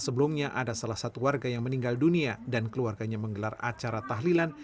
sebelumnya ada salah satu warga yang meninggal dunia dan keluarganya menggelar acara tahlilan